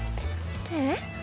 えっ？